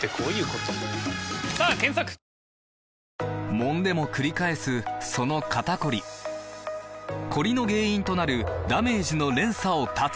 もんでもくり返すその肩こりコリの原因となるダメージの連鎖を断つ！